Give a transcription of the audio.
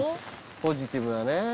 ポジティブだね。